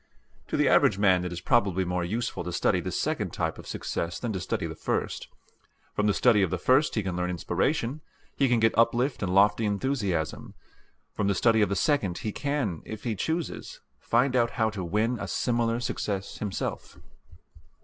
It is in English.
To the average man it is probably more useful to study this second type of success than to study the first. From the study of the first he can learn inspiration, he can get uplift and lofty enthusiasm. From the study of the second he can, if he chooses, find out how to win a similar success himself.